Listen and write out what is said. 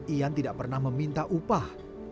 ian tidak pernah meminta upah